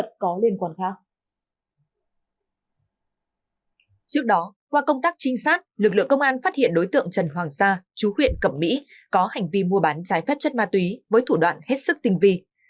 trước đó qua công tác trinh sát lực lượng công an phát hiện đối tượng trần hoàng sa chú huyện cẩm mỹ có hành vi mua bán trái phép chất ma túy với thủ đoạn hết sức tinh vi